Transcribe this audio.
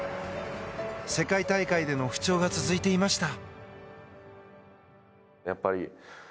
世界大会での不調が続いていました。